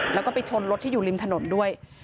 แล้วก็ไปชนรถที่อยู่ริมถนนด้วย